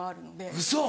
ウソ。